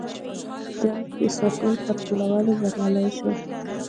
د انجن پېسټون پر جوړولو بریالی شو.